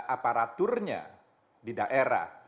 aparaturnya di daerah